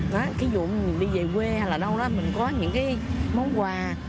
ví dụ mình đi về quê hay là đâu đó mình có những món quà